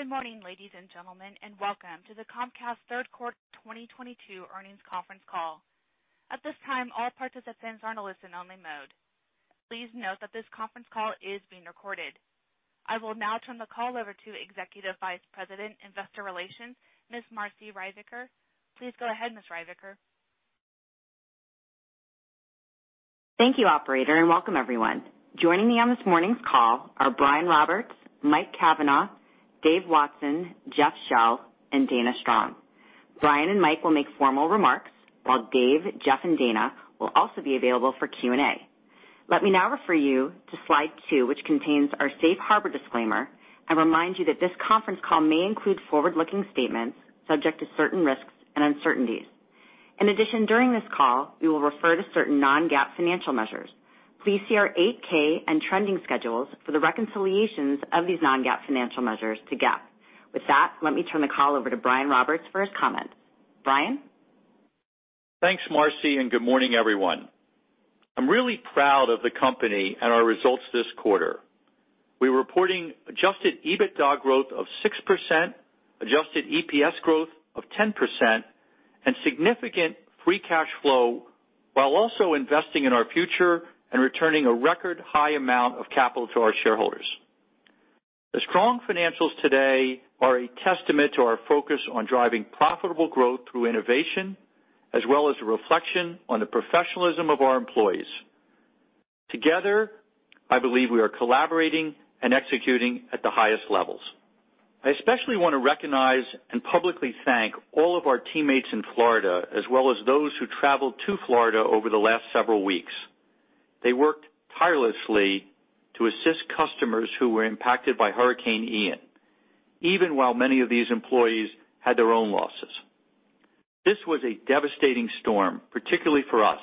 Good morning, ladies and gentlemen, and welcome to the Comcast Third Quarter 2022 Earnings Conference Call. At this time, all participants are in a listen-only mode. Please note that this conference call is being recorded. I will now turn the call over to Executive Vice President, Investor Relations, Ms. Marci Ryvicker. Please go ahead, Ms. Ryvicker. Thank you, operator, and welcome everyone. Joining me on this morning's call are Brian Roberts, Mike Cavanagh, Dave Watson, Jeff Shell, and Dana Strong. Brian and Mike will make formal remarks, while Dave, Jeff, and Dana will also be available for Q&A. Let me now refer you to slide two, which contains our safe harbor disclaimer and remind you that this conference call may include forward-looking statements subject to certain risks and uncertainties. In addition, during this call, we will refer to certain non-GAAP financial measures. Please see our 8-K and trailing schedules for the reconciliations of these non-GAAP financial measures to GAAP. With that, let me turn the call over to Brian Roberts for his comments. Brian? Thanks, Marci, and good morning, everyone. I'm really proud of the company and our results this quarter. We're reporting adjusted EBITDA growth of 6%, adjusted EPS growth of 10%, and significant free cash flow, while also investing in our future and returning a record high amount of capital to our shareholders. The strong financials today are a testament to our focus on driving profitable growth through innovation, as well as a reflection on the professionalism of our employees. Together, I believe we are collaborating and executing at the highest levels. I especially wanna recognize and publicly thank all of our teammates in Florida, as well as those who traveled to Florida over the last several weeks. They worked tirelessly to assist customers who were impacted by Hurricane Ian, even while many of these employees had their own losses. This was a devastating storm, particularly for us,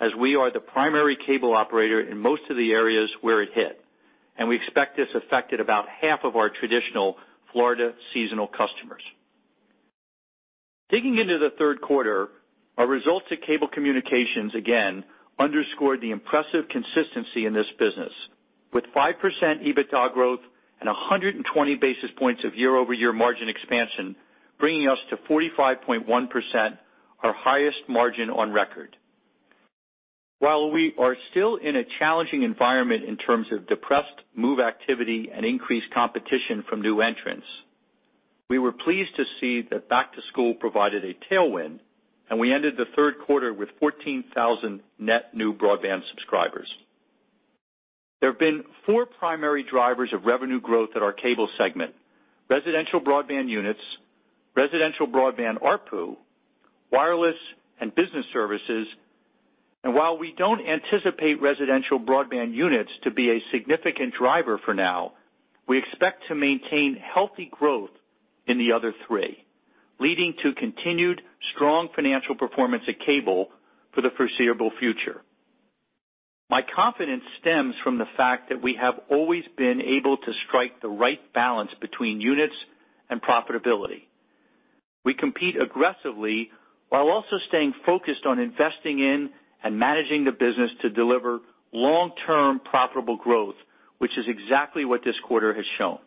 as we are the primary cable operator in most of the areas where it hit, and we expect this affected about half of our traditional Florida seasonal customers. Digging into the third quarter, our results at Cable Communications again underscored the impressive consistency in this business with 5% EBITDA growth and 120 basis points of year-over-year margin expansion, bringing us to 45.1%, our highest margin on record. While we are still in a challenging environment in terms of depressed move activity and increased competition from new entrants, we were pleased to see that back to school provided a tailwind, and we ended the third quarter with 14,000 net new broadband subscribers. There have been four primary drivers of revenue growth at our cable segment. Residential broadband units, residential broadband ARPU, wireless, and business services. While we don't anticipate residential broadband units to be a significant driver for now, we expect to maintain healthy growth in the other three, leading to continued strong financial performance at Cable for the foreseeable future. My confidence stems from the fact that we have always been able to strike the right balance between units and profitability. We compete aggressively while also staying focused on investing in and managing the business to deliver long-term profitable growth, which is exactly what this quarter has shown.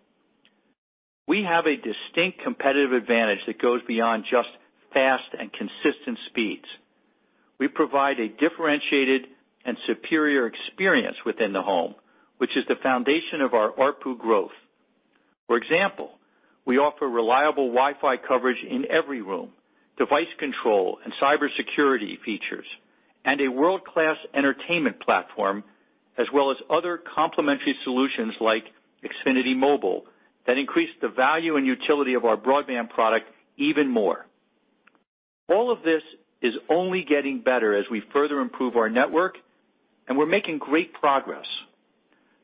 We have a distinct competitive advantage that goes beyond just fast and consistent speeds. We provide a differentiated and superior experience within the home, which is the foundation of our ARPU growth. For example, we offer reliable Wi-Fi coverage in every room, device control and cybersecurity features, and a world-class entertainment platform, as well as other complementary solutions like Xfinity Mobile that increase the value and utility of our broadband product even more. All of this is only getting better as we further improve our network, and we're making great progress.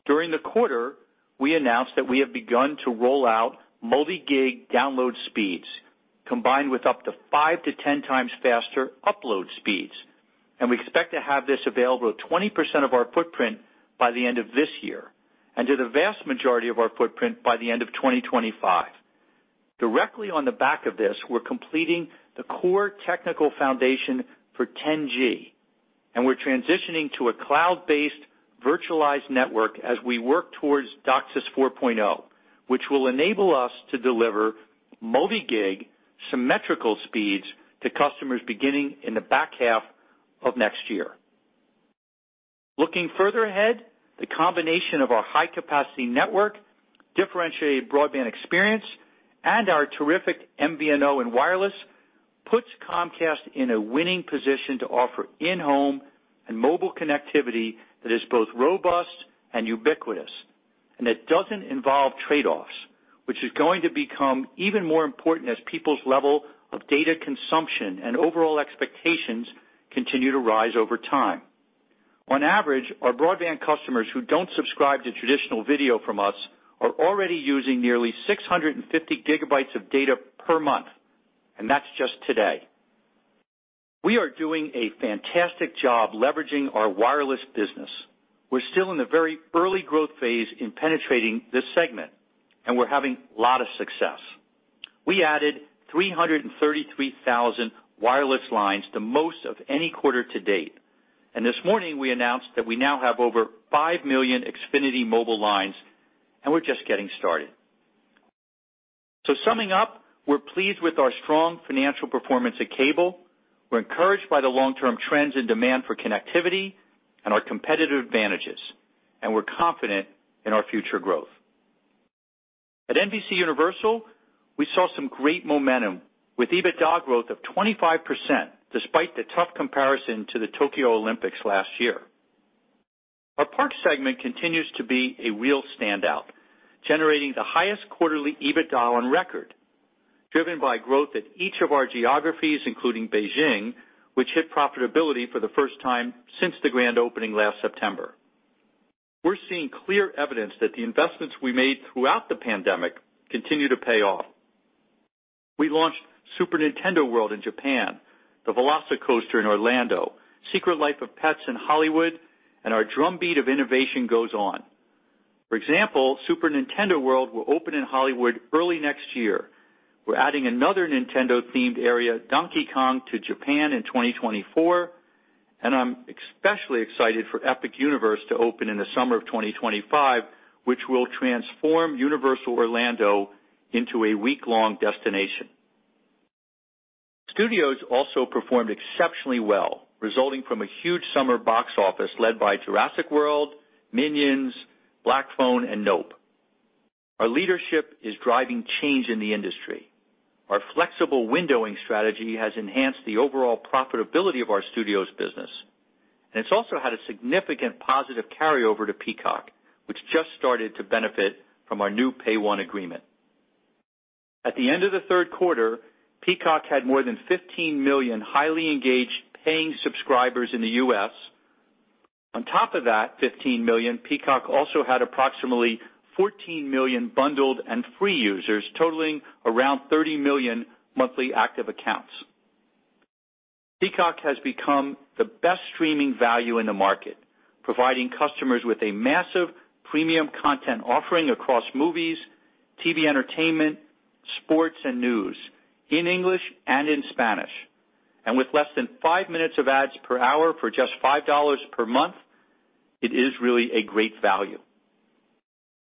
During the quarter, we announced that we have begun to roll out multi-gig download speeds combined with up to 5x-10x faster upload speeds, and we expect to have this available at 20% of our footprint by the end of this year, and to the vast majority of our footprint by the end of 2025. Directly on the back of this, we're completing the core technical foundation for 10G, and we're transitioning to a cloud-based virtualized network as we work towards DOCSIS 4.0, which will enable us to deliver multi-gig symmetrical speeds to customers beginning in the back half of next year. Looking further ahead, the combination of our high-capacity network, differentiated broadband experience, and our terrific MVNO and wireless puts Comcast in a winning position to offer in-home and mobile connectivity that is both robust and ubiquitous, and that doesn't involve trade-offs, which is going to become even more important as people's level of data consumption and overall expectations continue to rise over time. On average, our broadband customers who don't subscribe to traditional video from us are already using nearly 650 GB of data per month, and that's just today. We are doing a fantastic job leveraging our wireless business. We're still in the very early growth phase in penetrating this segment, and we're having a lot of success. We added 333,000 wireless lines, the most of any quarter to date. This morning we announced that we now have over 5 million Xfinity Mobile lines, and we're just getting started. Summing up, we're pleased with our strong financial performance at Cable. We're encouraged by the long-term trends in demand for connectivity and our competitive advantages, and we're confident in our future growth. At NBCUniversal, we saw some great momentum with EBITDA growth of 25% despite the tough comparison to the Tokyo Olympics last year. Our parks segment continues to be a real standout, generating the highest quarterly EBITDA on record, driven by growth at each of our geographies, including Beijing, which hit profitability for the first time since the grand opening last September. We're seeing clear evidence that the investments we made throughout the pandemic continue to pay off. We launched Super Nintendo World in Japan, the VelociCoaster in Orlando, Secret Life of Pets in Hollywood, and our drumbeat of innovation goes on. For example, Super Nintendo World will open in Hollywood early next year. We're adding another Nintendo-themed area, Donkey Kong, to Japan in 2024, and I'm especially excited for Epic Universe to open in the summer of 2025, which will transform Universal Orlando into a week-long destination. Studios also performed exceptionally well, resulting from a huge summer box office led by Jurassic World, Minions, Black Phone, and Nope. Our leadership is driving change in the industry. Our flexible windowing strategy has enhanced the overall profitability of our studios business, and it's also had a significant positive carryover to Peacock, which just started to benefit from our new Pay-One agreement. At the end of the third quarter, Peacock had more than 15 million highly engaged paying subscribers in the U.S. On top of that 15 million, Peacock also had approximately 14 million bundled and free users, totaling around 30 million monthly active accounts. Peacock has become the best streaming value in the market, providing customers with a massive premium content offering across movies, TV entertainment, sports, and news in English and in Spanish. With less than five minutes of ads per hour for just $5 per month, it is really a great value.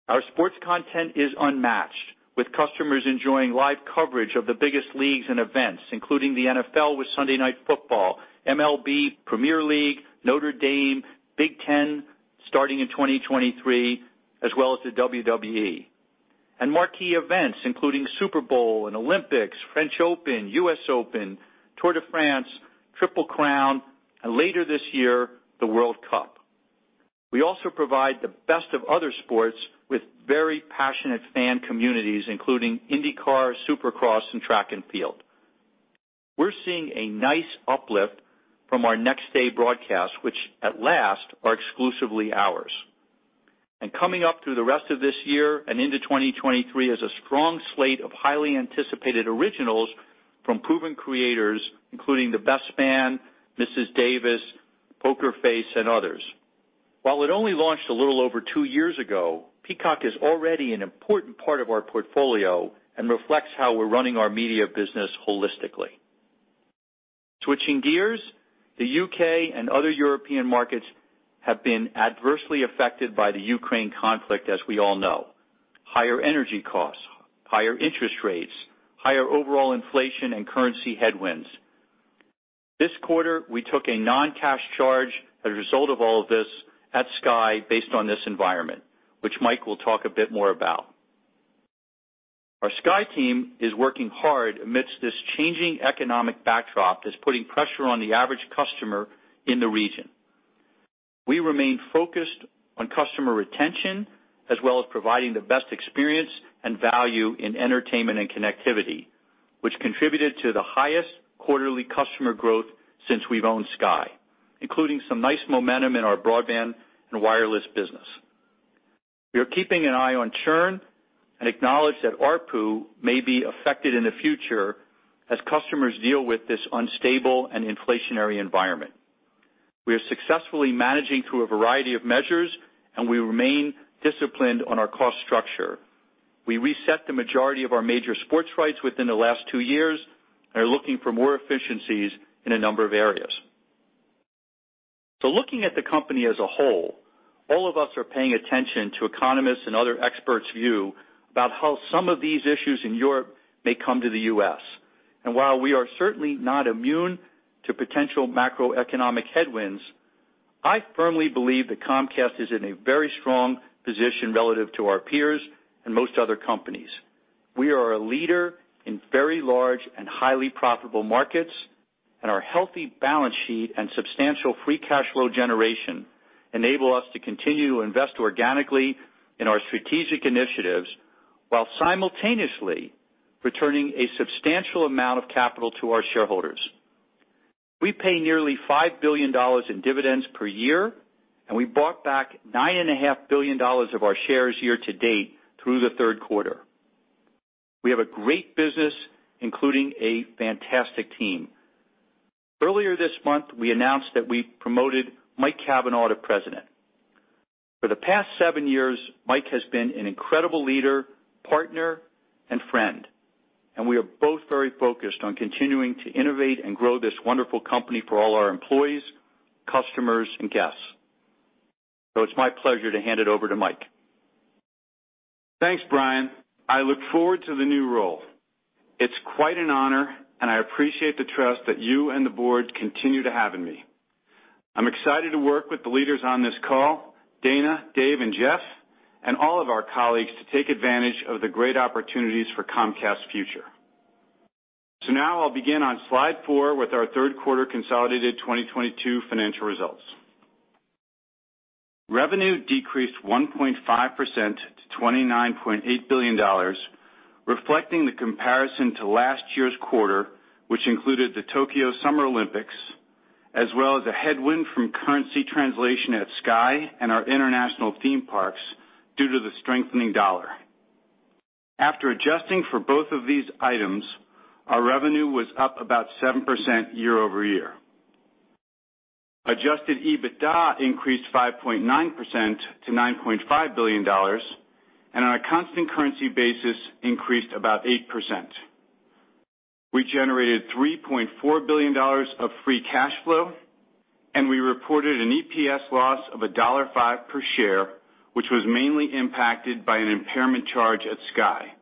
Our sports content is unmatched, with customers enjoying live coverage of the biggest leagues and events, including the NFL with Sunday Night Football, MLB, Premier League, Notre Dame, Big Ten, starting in 2023, as well as the WWE. Marquee events including Super Bowl and Olympics, French Open, US Open, Tour de France, Triple Crown, and later this year, the World Cup. We also provide the best of other sports with very passionate fan communities, including IndyCar, Supercross, and track and field. We're seeing a nice uplift from our next day broadcast, which at last are exclusively ours. Coming up through the rest of this year and into 2023 is a strong slate of highly anticipated originals from proven creators, including The Best Man, Mrs. Davis, Poker Face, and others. While it only launched a little over two years ago, Peacock is already an important part of our portfolio and reflects how we're running our media business holistically. Switching gears, the U.K. and other European markets have been adversely affected by the Ukraine conflict, as we all know. Higher energy costs, higher interest rates, higher overall inflation and currency headwinds. This quarter, we took a non-cash charge as a result of all of this at Sky based on this environment, which Mike will talk a bit more about. Our Sky team is working hard amidst this changing economic backdrop that's putting pressure on the average customer in the region. We remain focused on customer retention as well as providing the best experience and value in entertainment and connectivity, which contributed to the highest quarterly customer growth since we've owned Sky, including some nice momentum in our broadband and wireless business. We are keeping an eye on churn and acknowledge that ARPU may be affected in the future as customers deal with this unstable and inflationary environment. We are successfully managing through a variety of measures, and we remain disciplined on our cost structure. We reset the majority of our major sports rights within the last two years and are looking for more efficiencies in a number of areas. Looking at the company as a whole, all of us are paying attention to economists' and other experts' view about how some of these issues in Europe may come to the U.S. While we are certainly not immune to potential macroeconomic headwinds, I firmly believe that Comcast is in a very strong position relative to our peers and most other companies. We are a leader in very large and highly profitable markets, and our healthy balance sheet and substantial free cash flow generation enable us to continue to invest organically in our strategic initiatives while simultaneously returning a substantial amount of capital to our shareholders. We pay nearly $5 billion in dividends per year, and we bought back $9.5 billion of our shares year-to-date through the third quarter. We have a great business, including a fantastic team. Earlier this month, we announced that we promoted Mike Cavanagh to President. For the past seven years, Mike has been an incredible leader, partner, and friend, and we are both very focused on continuing to innovate and grow this wonderful company for all our employees, customers, and guests. It's my pleasure to hand it over to Mike. Thanks, Brian. I look forward to the new role. It's quite an honor, and I appreciate the trust that you and the board continue to have in me. I'm excited to work with the leaders on this call, Dana, Dave, and Jeff, and all of our colleagues to take advantage of the great opportunities for Comcast's future. Now I'll begin on slide four with our third quarter consolidated 2022 financial results. Revenue decreased 1.5% to $29.8 billion, reflecting the comparison to last year's quarter, which included the Tokyo Summer Olympics, as well as a headwind from currency translation at Sky and our international theme parks due to the strengthening dollar. After adjusting for both of these items, our revenue was up about 7% year-over-year. Adjusted EBITDA increased 5.9% to $9.5 billion and on a constant currency basis increased about 8%. We generated $3.4 billion of free cash flow, and we reported an EPS loss of $1.05 per share, which was mainly impacted by an impairment charge at Sky.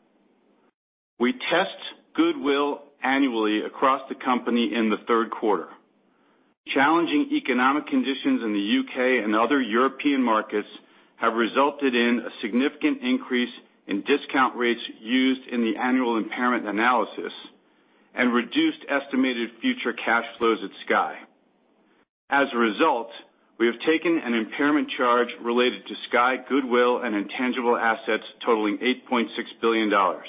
We test goodwill annually across the company in the third quarter. Challenging economic conditions in the U.K. and other European markets have resulted in a significant increase in discount rates used in the annual impairment analysis and reduced estimated future cash flows at Sky. As a result, we have taken an impairment charge related to Sky goodwill and intangible assets totaling $8.6 billion. On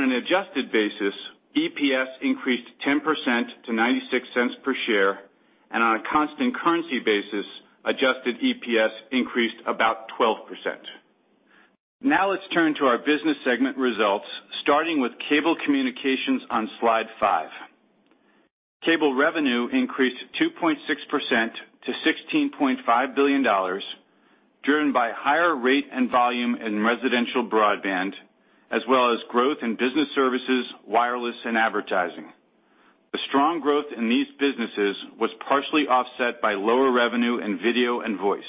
an adjusted basis, EPS increased 10% to $0.96 per share and on a constant currency basis, adjusted EPS increased about 12%. Now let's turn to our business segment results, starting with Cable Communications on slide five. Cable revenue increased 2.6% to $16.5 billion, driven by higher rate and volume in residential broadband, as well as growth in business services, wireless and advertising. The strong growth in these businesses was partially offset by lower revenue in video and voice.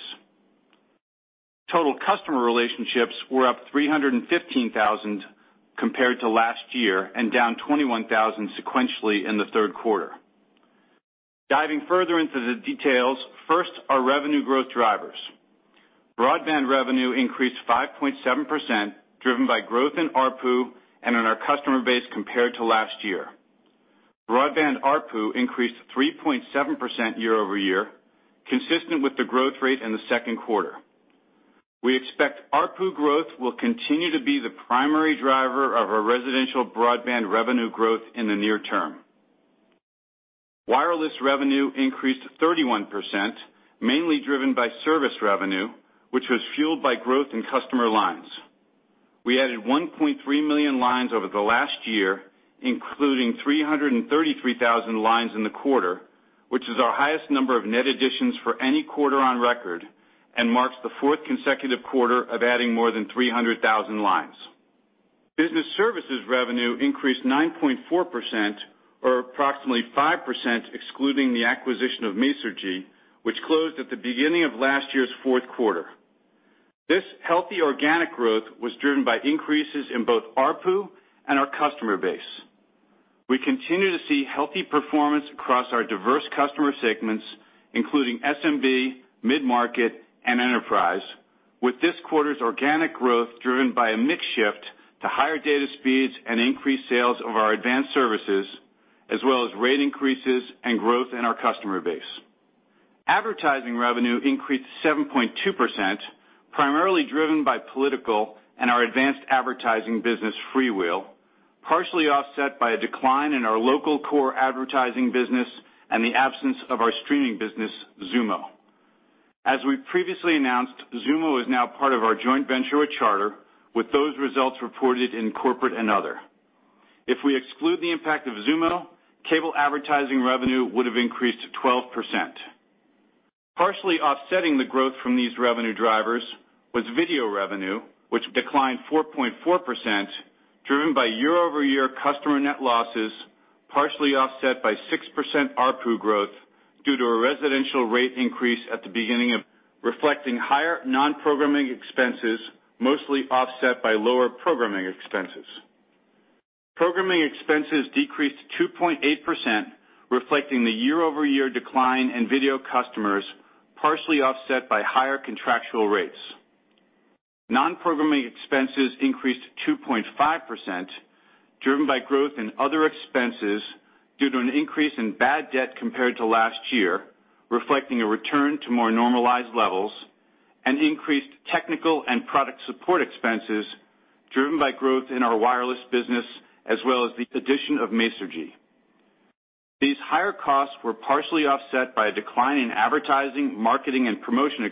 Total customer relationships were up 315,000 compared to last year and down 21,000 sequentially in the third quarter. Diving further into the details, first, our revenue growth drivers. Broadband revenue increased 5.7%, driven by growth in ARPU and in our customer base compared to last year. Broadband ARPU increased 3.7% year-over-year, consistent with the growth rate in the second quarter. We expect ARPU growth will continue to be the primary driver of our residential broadband revenue growth in the near term. Wireless revenue increased 31%, mainly driven by service revenue, which was fueled by growth in customer lines. We added 1.3 million lines over the last year, including 333,000 lines in the quarter, which is our highest number of net additions for any quarter on record and marks the fourth consecutive quarter of adding more than 300,000 lines. Business services revenue increased 9.4% or approximately 5% excluding the acquisition of Masergy, which closed at the beginning of last year's fourth quarter. This healthy organic growth was driven by increases in both ARPU and our customer base. We continue to see healthy performance across our diverse customer segments, including SMB, mid-market, and enterprise. With this quarter's organic growth driven by a mix shift to higher data speeds and increased sales of our advanced services, as well as rate increases and growth in our customer base. Advertising revenue increased 7.2%, primarily driven by political and our advanced advertising business, FreeWheel, partially offset by a decline in our local core advertising business and the absence of our streaming business, Xumo. As we previously announced, Xumo is now part of our joint venture with Charter, with those results reported in corporate and other. If we exclude the impact of Xumo, cable advertising revenue would have increased 12%. Partially offsetting the growth from these revenue drivers was video revenue, which declined 4.4%, driven by year-over-year customer net losses, partially offset by 6% ARPU growth due to a residential rate increase at the beginning of reflecting higher non-programming expenses, mostly offset by lower programming expenses. Programming expenses decreased 2.8%, reflecting the year-over-year decline in video customers, partially offset by higher contractual rates. Non-programming expenses increased 2.5%, driven by growth in other expenses due to an increase in bad debt compared to last year, reflecting a return to more normalized levels and increased technical and product support expenses driven by growth in our wireless business as well as the addition of Masergy. These higher costs were partially offset by a decline in advertising, marketing and promotion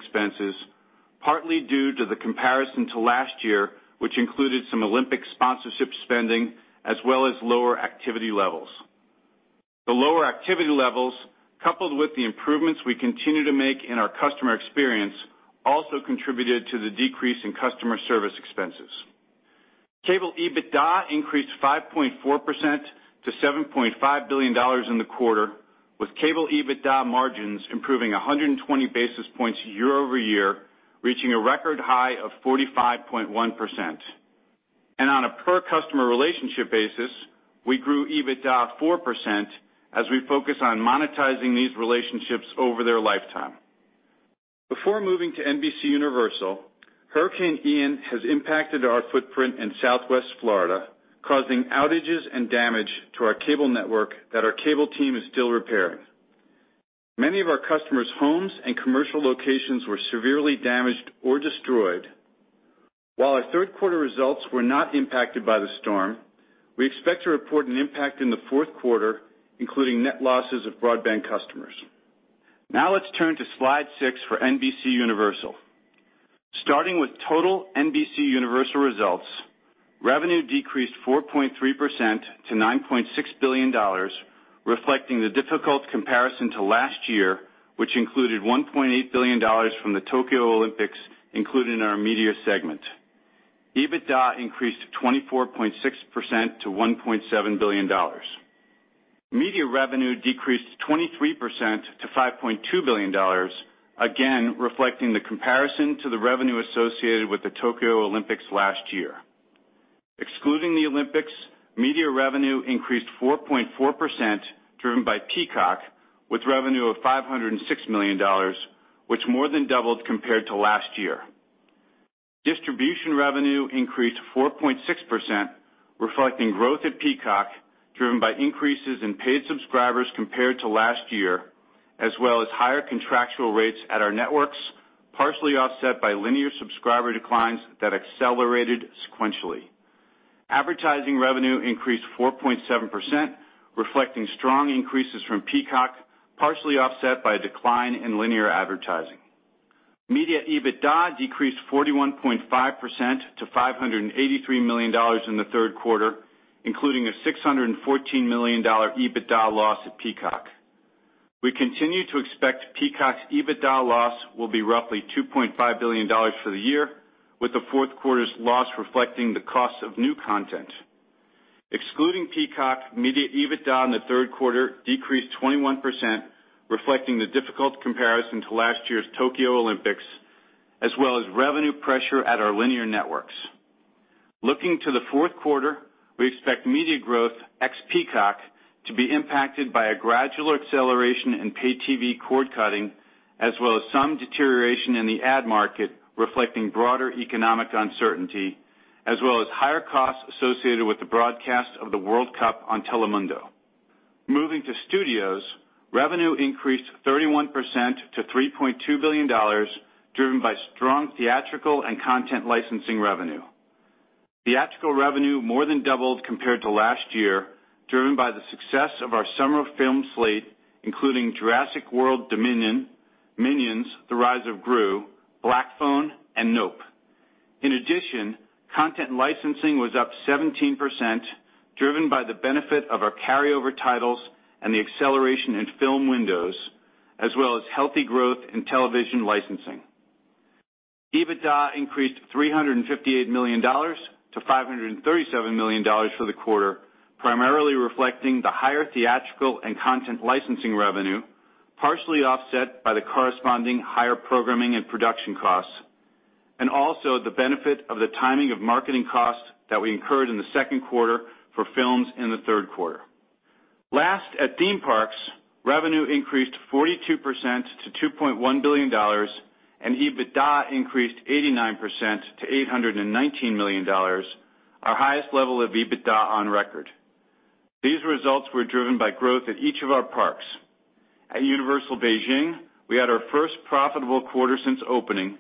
expenses, partly due to the comparison to last year, which included some Olympic sponsorship spending as well as lower activity levels. The lower activity levels, coupled with the improvements we continue to make in our customer experience, also contributed to the decrease in customer service expenses. Cable EBITDA increased 5.4% to $7.5 billion in the quarter, with cable EBITDA margins improving 120 basis points year-over-year, reaching a record high of 45.1%. On a per customer relationship basis, we grew EBITDA 4% as we focus on monetizing these relationships over their lifetime. Before moving to NBCUniversal, Hurricane Ian has impacted our footprint in Southwest Florida, causing outages and damage to our cable network that our cable team is still repairing. Many of our customers' homes and commercial locations were severely damaged or destroyed. While our third quarter results were not impacted by the storm, we expect to report an impact in the fourth quarter, including net losses of broadband customers. Now let's turn to slide six for NBCUniversal. Starting with total NBCUniversal results, revenue decreased 4.3% to $9.6 billion, reflecting the difficult comparison to last year, which included $1.8 billion from the Tokyo Olympics, included in our media segment. EBITDA increased to 24.6% to $1.7 billion. Media revenue decreased 23% to $5.2 billion, again, reflecting the comparison to the revenue associated with the Tokyo Olympics last year. Excluding the Olympics, media revenue increased 4.4%, driven by Peacock, with revenue of $506 million, which more than doubled compared to last year. Distribution revenue increased 4.6%, reflecting growth at Peacock, driven by increases in paid subscribers compared to last year, as well as higher contractual rates at our networks, partially offset by linear subscriber declines that accelerated sequentially. Advertising revenue increased 4.7%, reflecting strong increases from Peacock, partially offset by a decline in linear advertising. Media EBITDA decreased 41.5% to $583 million in the third quarter, including a $614 million EBITDA loss at Peacock. We continue to expect Peacock's EBITDA loss will be roughly $2.5 billion for the year, with the fourth quarter's loss reflecting the cost of new content. Excluding Peacock, media EBITDA in the third quarter decreased 21%, reflecting the difficult comparison to last year's Tokyo Olympics, as well as revenue pressure at our linear networks. Looking to the fourth quarter, we expect media growth ex-Peacock to be impacted by a gradual acceleration in paid TV cord-cutting, as well as some deterioration in the ad market reflecting broader economic uncertainty, as well as higher costs associated with the broadcast of the World Cup on Telemundo. Moving to Studios, revenue increased 31% to $3.2 billion, driven by strong theatrical and content licensing revenue. Theatrical revenue more than doubled compared to last year, driven by the success of our summer film slate, including Jurassic World: Dominion, Minions: The Rise of Gru, Black Phone, and Nope. In addition, content licensing was up 17%, driven by the benefit of our carryover titles and the acceleration in film windows, as well as healthy growth in television licensing. EBITDA increased $358 million to $537 million for the quarter, primarily reflecting the higher theatrical and content licensing revenue, partially offset by the corresponding higher programming and production costs, and also the benefit of the timing of marketing costs that we incurred in the second quarter for films in the third quarter. Last, at theme parks, revenue increased 42% to $2.1 billion, and EBITDA increased 89% to $819 million, our highest level of EBITDA on record. These results were driven by growth at each of our parks. At Universal Beijing, we had our first profitable quarter since opening,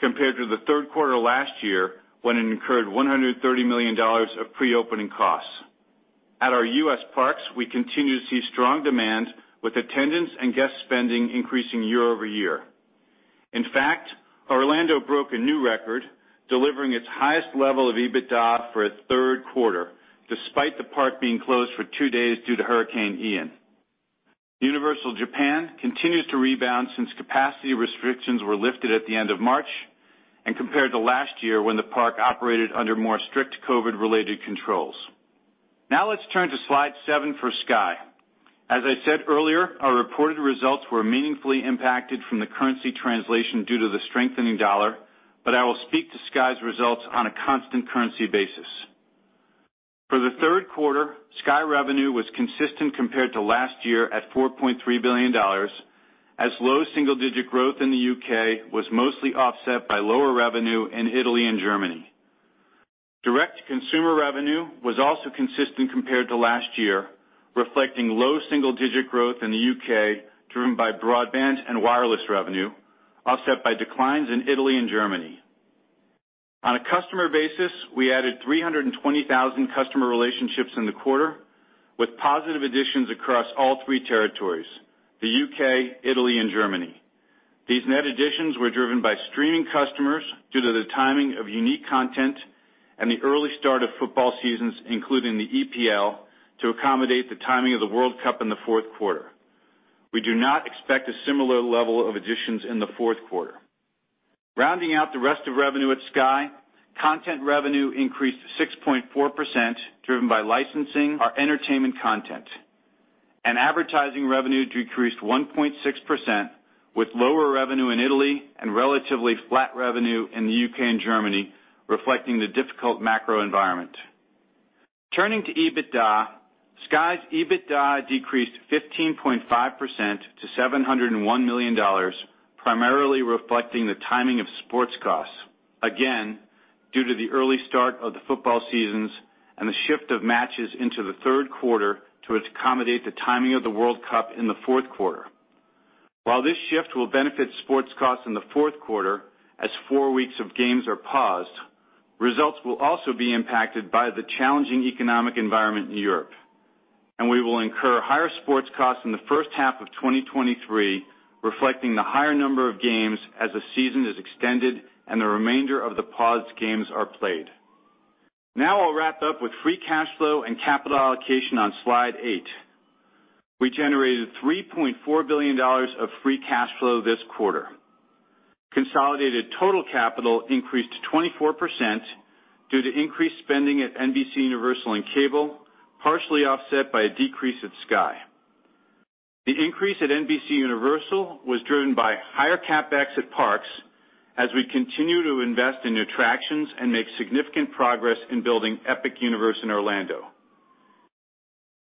compared to the third quarter last year, when it incurred $130 million of pre-opening costs. At our U.S. parks, we continue to see strong demand, with attendance and guest spending increasing year-over-year. In fact, Orlando broke a new record, delivering its highest level of EBITDA for a third quarter, despite the park being closed for two days due to Hurricane Ian. Universal Japan continues to rebound since capacity restrictions were lifted at the end of March and compared to last year when the park operated under more strict COVID-related controls. Now let's turn to slide seven for Sky. As I said earlier, our reported results were meaningfully impacted from the currency translation due to the strengthening dollar, but I will speak to Sky's results on a constant currency basis. For the third quarter, Sky revenue was consistent compared to last year at $4.3 billion, as low single-digit growth in the U.K. was mostly offset by lower revenue in Italy and Germany. Direct-to-consumer revenue was also consistent compared to last year, reflecting low single-digit growth in the U.K., driven by broadband and wireless revenue, offset by declines in Italy and Germany. On a customer basis, we added 320,000 customer relationships in the quarter, with positive additions across all three territories, the U.K., Italy, and Germany. These net additions were driven by streaming customers due to the timing of unique content and the early start of football seasons, including the EPL, to accommodate the timing of the World Cup in the fourth quarter. We do not expect a similar level of additions in the fourth quarter. Rounding out the rest of revenue at Sky, content revenue increased 6.4%, driven by licensing our entertainment content. Advertising revenue decreased 1.6%, with lower revenue in Italy and relatively flat revenue in the U.K. and Germany, reflecting the difficult macro environment. Turning to EBITDA, Sky's EBITDA decreased 15.5% to $701 million, primarily reflecting the timing of sports costs, again, due to the early start of the football seasons and the shift of matches into the third quarter to accommodate the timing of the World Cup in the fourth quarter. While this shift will benefit sports costs in the fourth quarter as four weeks of games are paused, results will also be impacted by the challenging economic environment in Europe. We will incur higher sports costs in the first half of 2023, reflecting the higher number of games as the season is extended and the remainder of the paused games are played. Now I'll wrap up with free cash flow and capital allocation on slide eight. We generated $3.4 billion of free cash flow this quarter. Consolidated total CapEx increased 24% due to increased spending at NBCUniversal and Cable, partially offset by a decrease at Sky. The increase at NBCUniversal was driven by higher CapEx at Parks as we continue to invest in attractions and make significant progress in building Epic Universe in Orlando.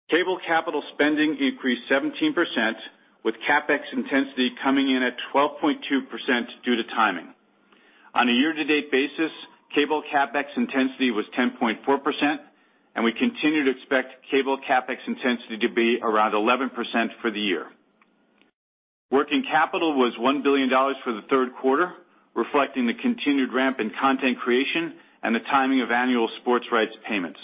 Cable capital spending increased 17%, with CapEx intensity coming in at 12.2% due to timing. On a year-to-date basis, Cable CapEx intensity was 10.4%, and we continue to expect Cable CapEx intensity to be around 11% for the year. Working capital was $1 billion for the third quarter, reflecting the continued ramp in content creation and the timing of annual sports rights payments.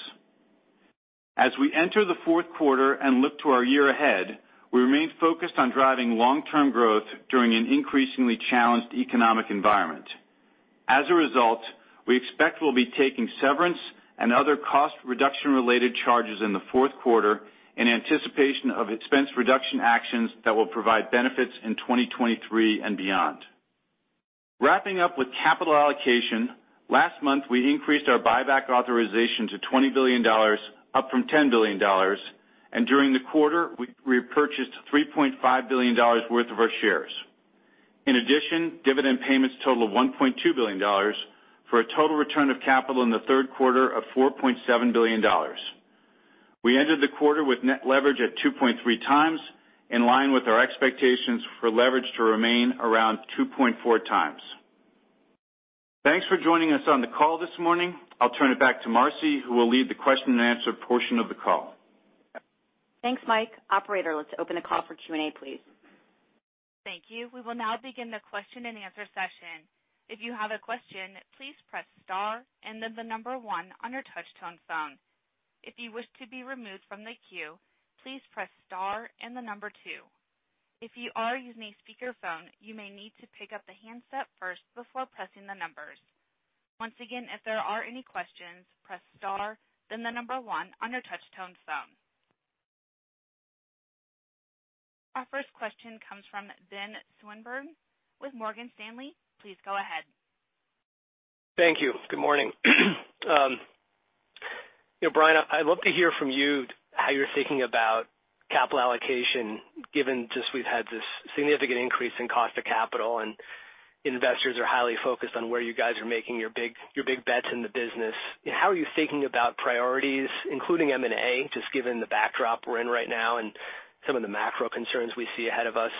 As we enter the fourth quarter and look to our year ahead, we remain focused on driving long-term growth during an increasingly challenged economic environment. As a result, we expect we'll be taking severance and other cost reduction-related charges in the fourth quarter in anticipation of expense reduction actions that will provide benefits in 2023 and beyond. Wrapping up with capital allocation, last month, we increased our buyback authorization to $20 billion, up from $10 billion, and during the quarter, we purchased $3.5 billion worth of our shares. In addition, dividend payments total of $1.2 billion for a total return of capital in the third quarter of $4.7 billion. We ended the quarter with net leverage at 2.3x, in line with our expectations for leverage to remain around 2.4x. Thanks for joining us on the call this morning. I'll turn it back to Marci, who will lead the question-and-answer portion of the call. Thanks, Mike. Operator, let's open the call for Q&A, please. Thank you. We will now begin the question-and-answer session. If you have a question, please press star and then the number one on your touch-tone phone. If you wish to be removed from the queue, please press star and the number two. If you are using a speakerphone, you may need to pick up the handset first before pressing the numbers. Once again, if there are any questions, press star, then the number one on your touch-tone phone. Our first question comes from Ben Swinburne with Morgan Stanley. Please go ahead. Thank you. Good morning. You know, Brian, I'd love to hear from you how you're thinking about capital allocation, given just we've had this significant increase in cost of capital and investors are highly focused on where you guys are making your big bets in the business. How are you thinking about priorities, including M&A, just given the backdrop we're in right now and some of the macro concerns we see ahead of us?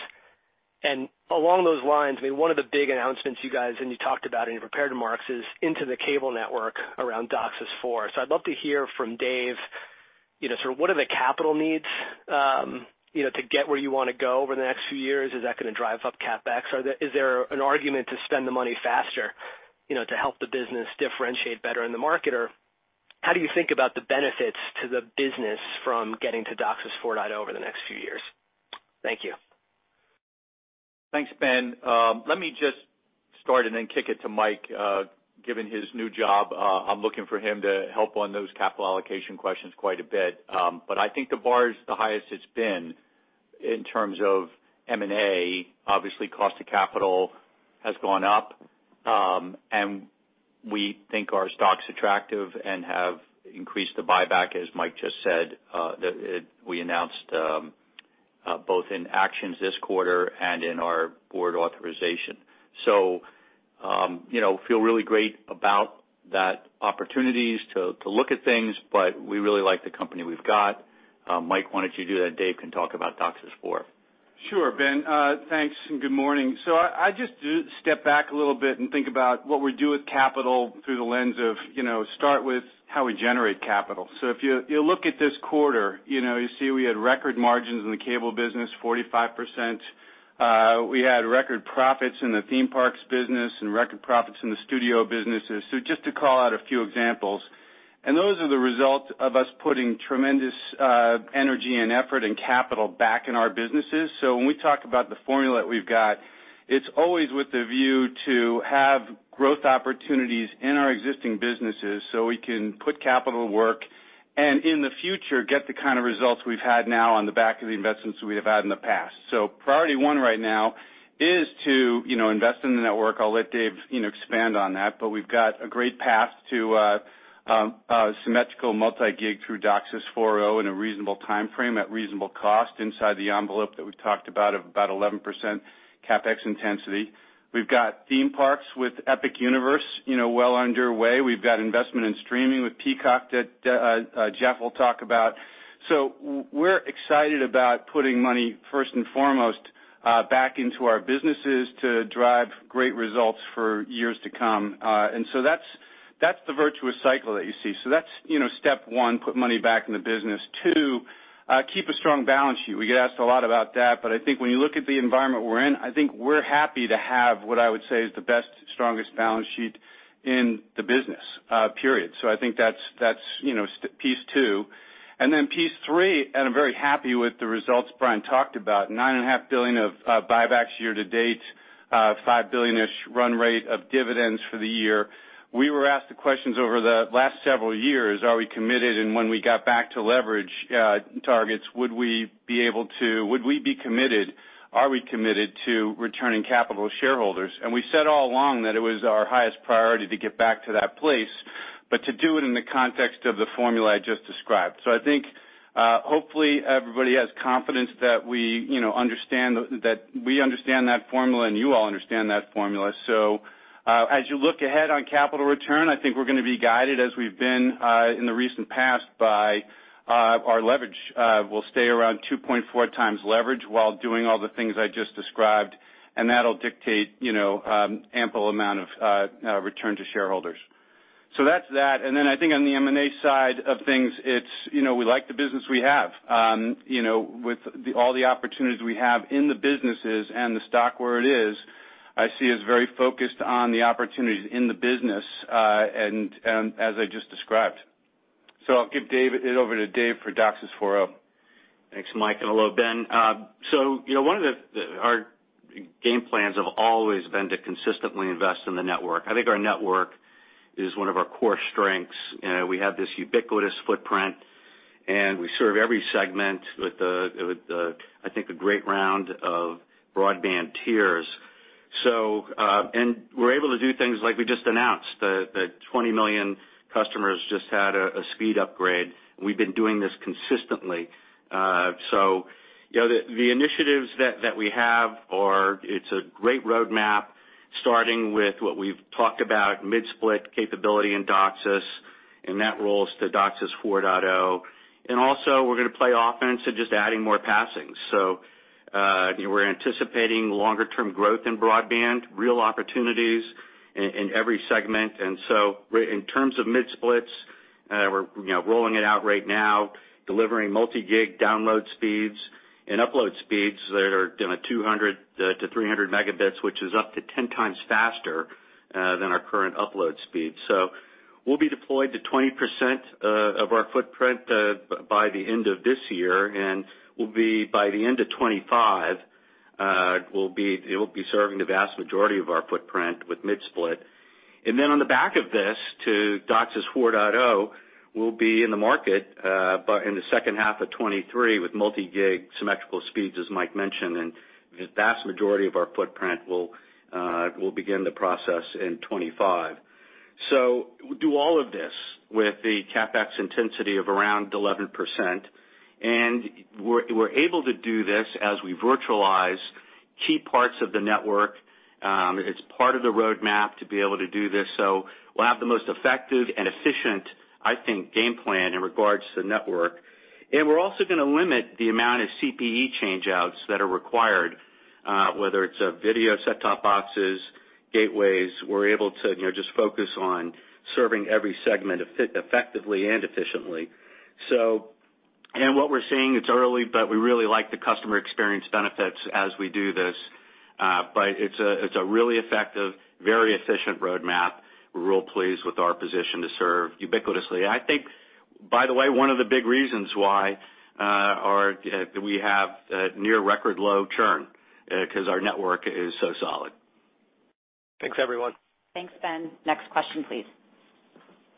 Along those lines, I mean, one of the big announcements you guys, and you talked about in your prepared remarks, is into the cable network around DOCSIS 4. So I'd love to hear from Dave, you know, sort of what are the capital needs, you know, to get where you wanna go over the next few years? Is that gonna drive up CapEx? Is there an argument to spend the money faster, you know, to help the business differentiate better in the market? Or how do you think about the benefits to the business from getting to DOCSIS 4.0 over the next few years? Thank you. Thanks, Ben. Let me just start and then kick it to Mike, given his new job. I'm looking for him to help on those capital allocation questions quite a bit. I think the bar is the highest it's been in terms of M&A. Obviously, cost of capital has gone up, and we think our stock's attractive and have increased the buyback, as Mike just said, we announced both actions this quarter and in our board authorization. You know, feel really great about that opportunities to look at things, but we really like the company we've got. Mike, why don't you do that? Dave can talk about DOCSIS 4. Sure, Ben. Thanks, and good morning. I just step back a little bit and think about what we do with capital through the lens of, you know, start with how we generate capital. If you look at this quarter, you know, you see we had record margins in the cable business, 45%. We had record profits in the theme parks business and record profits in the studio businesses. Just to call out a few examples. Those are the result of us putting tremendous energy and effort and capital back in our businesses. When we talk about the formula that we've got, it's always with the view to have growth opportunities in our existing businesses so we can put capital to work and in the future, get the kind of results we've had now on the back of the investments we have had in the past. Priority one right now is to, you know, invest in the network. I'll let Dave, you know, expand on that, but we've got a great path to a symmetrical multi-gig through DOCSIS 4.0 in a reasonable time frame at reasonable cost inside the envelope that we've talked about of about 11% CapEx intensity. We've got theme parks with Epic Universe, you know, well underway. We've got investment in streaming with Peacock that Jeff will talk about. We're excited about putting money first and foremost, back into our businesses to drive great results for years to come. That's the virtuous cycle that you see. That's, you know, step one, put money back in the business. Two, keep a strong balance sheet. We get asked a lot about that, but I think when you look at the environment we're in, I think we're happy to have what I would say is the best, strongest balance sheet in the business, period. I think that's, you know, piece two. Then piece three, and I'm very happy with the results Brian talked about, $9.5 billion of buybacks year-to-date, $5 billion-ish run rate of dividends for the year. We were asked the questions over the last several years, are we committed? When we got back to leverage targets, would we be committed, are we committed to returning capital to shareholders? We said all along that it was our highest priority to get back to that place, but to do it in the context of the formula I just described. I think, hopefully everybody has confidence that we, you know, understand that formula and you all understand that formula. As you look ahead on capital return, I think we're gonna be guided, as we've been, in the recent past by our leverage. We'll stay around 2.4x leverage while doing all the things I just described, and that'll dictate, you know, ample amount of return to shareholders. That's that. Then I think on the M&A side of things, it's, you know, we like the business we have. You know, with all the opportunities we have in the businesses and the stock where it is, I see us very focused on the opportunities in the business, and as I just described. I'll give it over to Dave for DOCSIS 4.0. Thanks, Mike, and hello, Ben. Our game plans have always been to consistently invest in the network. I think our network is one of our core strengths. We have this ubiquitous footprint, and we serve every segment with, I think, a great round of broadband tiers. We're able to do things like we just announced, 20 million customers just had a speed upgrade, and we've been doing this consistently. The initiatives that we have are. It's a great roadmap starting with what we've talked about, mid-split capability in DOCSIS, and that rolls to DOCSIS 4.0. Also, we're gonna play offense and just adding more passings. We're anticipating longer term growth in broadband, real opportunities in every segment. In terms of mid-splits, you know, rolling it out right now, delivering multi-gig download speeds and upload speeds that are, you know, 200 Mbps-300 Mbps, which is up to 10x faster than our current upload speed. We'll be deployed to 20% of our footprint by the end of this year, and we'll be, by the end of 2025, it will be serving the vast majority of our footprint with mid-split. Then on the back of this to DOCSIS 4.0, we'll be in the market in the second half of 2023 with multi-gig symmetrical speeds, as Mike mentioned, and the vast majority of our footprint will begin the process in 2025. Do all of this with the CapEx intensity of around 11%. We're able to do this as we virtualize key parts of the network. It's part of the roadmap to be able to do this. We'll have the most effective and efficient, I think, game plan in regards to the network. We're also gonna limit the amount of CPE change outs that are required, whether it's video set-top boxes, gateways, we're able to, you know, just focus on serving every segment effectively and efficiently. What we're seeing, it's early, but we really like the customer experience benefits as we do this. It's a really effective, very efficient roadmap. We're real pleased with our position to serve ubiquitously. I think, by the way, one of the big reasons why that we have near record low churn, 'cause our network is so solid. Thanks, everyone. Thanks, Ben. Next question, please.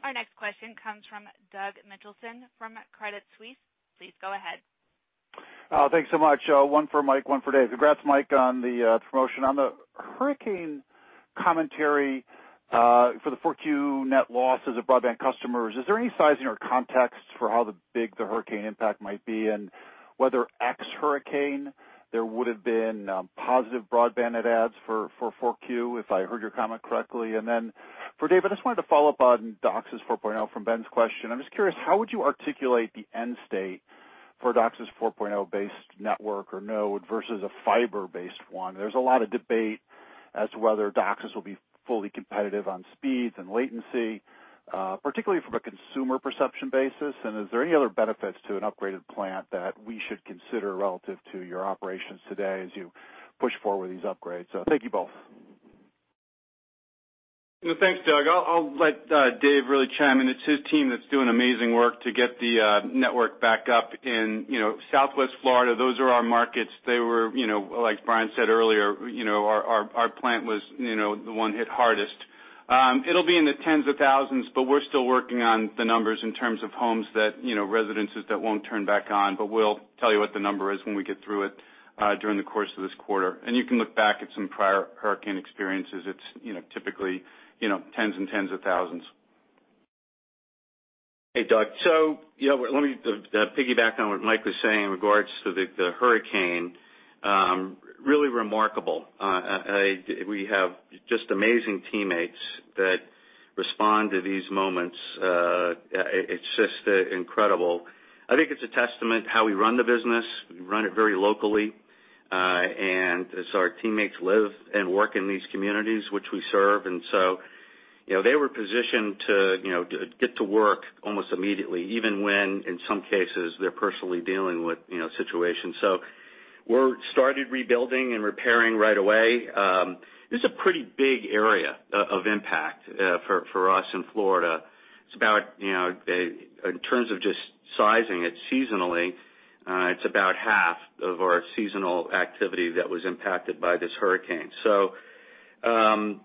Our next question comes from Doug Mitchelson from Credit Suisse. Please go ahead. Thanks so much. One for Mike, one for Dave. Congrats, Mike, on the promotion. On the hurricane commentary, for the Q4 net losses of broadband customers, is there any size in your context for how big the hurricane impact might be? Whether ex-hurricane, there would have been positive broadband net adds for Q4, if I heard your comment correctly. Then for Dave, I just wanted to follow up on DOCSIS 4.0 from Ben's question. I'm just curious, how would you articulate the end state for a DOCSIS 4.0 based network or node versus a fiber-based one? There's a lot of debate as to whether DOCSIS will be fully competitive on speeds and latency, particularly from a consumer perception basis. Is there any other benefits to an upgraded plant that we should consider relative to your operations today as you push forward these upgrades? Thank you both. No, thanks, Doug. I'll let Dave really chime in. It's his team that's doing amazing work to get the network back up in, you know, Southwest Florida. Those are our markets. They were, you know, like Brian said earlier, you know, our plant was, you know, the one hit hardest. It'll be in the tens of thousands, but we're still working on the numbers in terms of homes that, you know, residences that won't turn back on. But we'll tell you what the number is when we get through it during the course of this quarter. You can look back at some prior hurricane experiences. It's, you know, typically, you know, tens and tens of thousands. Hey, Doug. You know, let me piggyback on what Mike was saying in regards to the hurricane, really remarkable. We have just amazing teammates that respond to these moments. It's just incredible. I think it's a testament to how we run the business. We run it very locally, and as our teammates live and work in these communities which we serve. You know, they were positioned to, you know, get to work almost immediately, even when, in some cases, they're personally dealing with, you know, situations. We started rebuilding and repairing right away. This is a pretty big area of impact for us in Florida. It's about, you know, in terms of just sizing it seasonally, it's about half of our seasonal activity that was impacted by this hurricane. You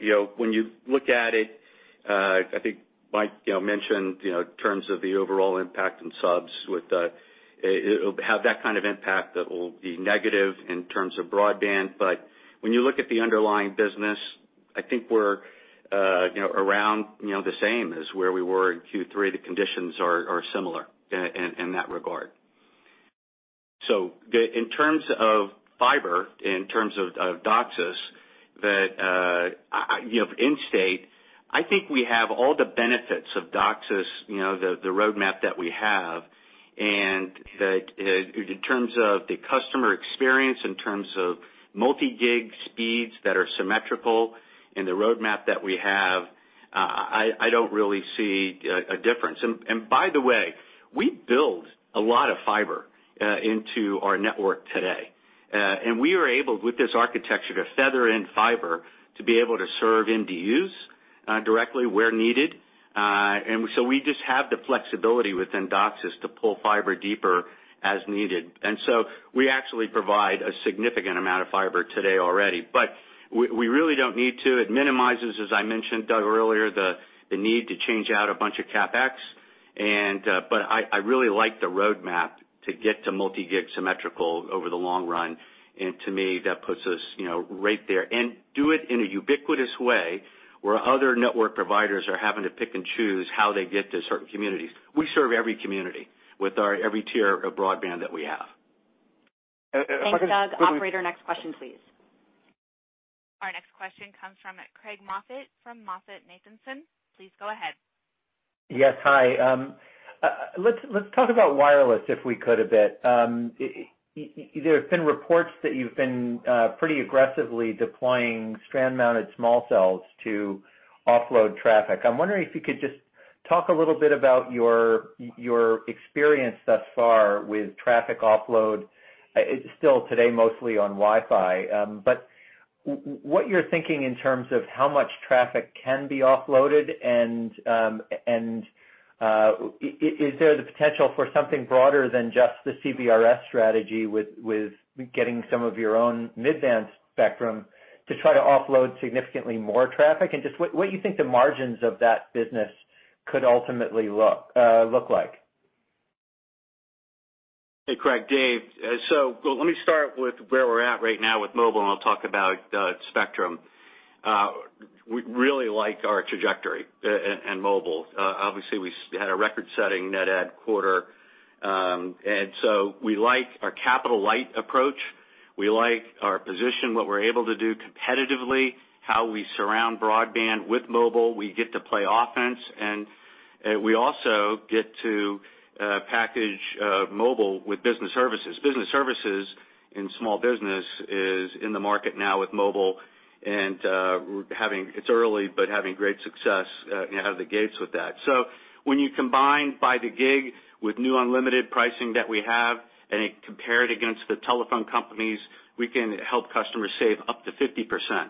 know, when you look at it, I think Mike mentioned in terms of the overall impact in subs with it'll have that kind of impact that will be negative in terms of broadband. When you look at the underlying business, I think we're around the same as where we were in Q3. The conditions are similar in that regard. In terms of fiber, in terms of DOCSIS that in state, I think we have all the benefits of DOCSIS, the roadmap that we have, and that in terms of the customer experience, in terms of multi-gig speeds that are symmetrical in the roadmap that we have, I don't really see a difference. By the way, we build a lot of fiber into our network today. We are able, with this architecture, to feather in fiber to be able to serve MDUs directly where needed. We just have the flexibility within DOCSIS to pull fiber deeper as needed. We actually provide a significant amount of fiber today already. But we really don't need to. It minimizes, as I mentioned, Doug, earlier, the need to change out a bunch of CapEx. I really like the roadmap to get to multi-gig symmetrical over the long run. To me, that puts us, you know, right there. Do it in a ubiquitous way, where other network providers are having to pick and choose how they get to certain communities. We serve every community with our every tier of broadband that we have. Uh, if I could Thanks, Doug. Operator next question, please. Our next question comes from Craig Moffett from MoffettNathanson. Please go ahead. Yes. Hi. Let's talk about wireless, if we could, a bit. There have been reports that you've been pretty aggressively deploying strand mounted small cells to offload traffic. I'm wondering if you could just talk a little bit about your experience thus far with traffic offload. It's still today mostly on Wi-Fi, but what you're thinking in terms of how much traffic can be offloaded. Is there the potential for something broader than just the CBRS strategy with getting some of your own mid-band spectrum to try to offload significantly more traffic? Just what you think the margins of that business could ultimately look like. Hey, Craig. Dave. Let me start with where we're at right now with mobile, and I'll talk about spectrum. We really like our trajectory in mobile. Obviously we had a record-setting net add quarter. We like our capital light approach. We like our position, what we're able to do competitively, how we surround broadband with mobile, we get to play offense, and we also get to package mobile with business services. Business services in small business is in the market now with mobile and it's early, but having great success out of the gates with that. When you combine by the gig with new unlimited pricing that we have, and you compare it against the telephone companies, we can help customers save up to 50%